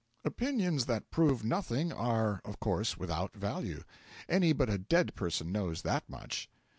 Opinions that prove nothing are, of course, without value any but a dead person knows that much.